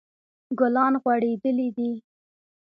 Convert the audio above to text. ګلان غوړیدلی دي